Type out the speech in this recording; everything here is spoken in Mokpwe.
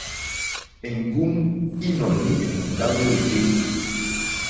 Èŋgúm ínɔ̀ní èmùndá wéèyé.